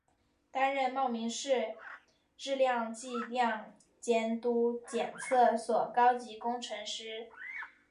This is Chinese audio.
担任茂名市质量计量监督检测所高级工程师。